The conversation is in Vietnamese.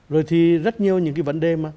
rồi thì rất nhiều những cái vấn đề mà